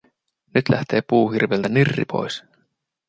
Nyt lähtee puuhirviöltä nirri pois.